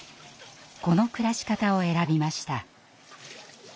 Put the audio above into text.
この暮らし方を選びました。